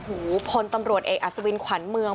พลตำรวจเอกอัศวินขวัญเมือง